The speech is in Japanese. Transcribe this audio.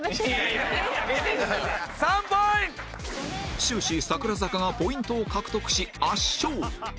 終始櫻坂がポイントを獲得し圧勝